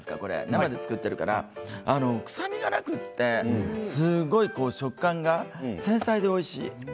生で作っているから臭みがなくってすごく食感が繊細でおいしい。